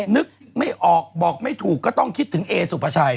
นึกไม่ออกบอกไม่ถูกก็ต้องคิดถึงเอสุภาชัย